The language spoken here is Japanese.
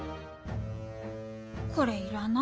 これいらないのに。